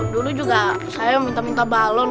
dulu juga saya minta minta balon